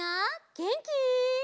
げんき？